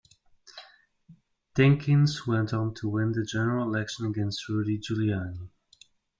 Dinkins went on to win the general election against Rudy Giuliani.